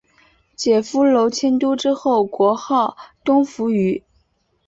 解夫娄迁都之后国号东扶余。